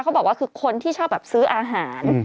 บอกว่าคือคนที่ชอบแบบซื้ออาหาร